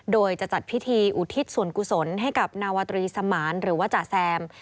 โดยจะจัดพิธีอุทิศส่วนกุศลให้กับนาวาตรีสมานหรือว่าจ๋าแซม